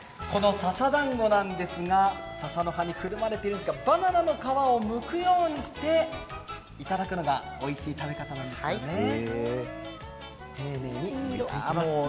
このささだんごなんですがささの葉にくるまれているんですがバナナの皮をむくようにして頂くのがおいしい食べ方なんですよね。